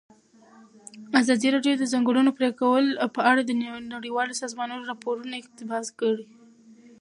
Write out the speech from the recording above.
ازادي راډیو د د ځنګلونو پرېکول په اړه د نړیوالو سازمانونو راپورونه اقتباس کړي.